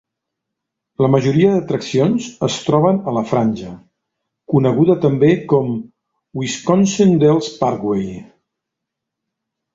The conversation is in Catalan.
La majoria d'atraccions es troben a la Franja, coneguda també com Wisconsin Dells Parkway.